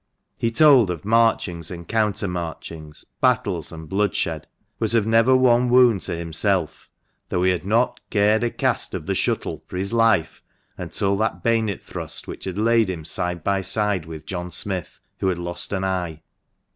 He told of marchings and counter marchings, battles and bloodshed ; but of never one wound to himself, though he had not " cared a cast of the shuttle " for his life until that bayonet thrust which had laid him side by side with John Smith, who had lost an eye.